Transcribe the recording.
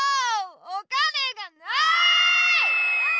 お金がない！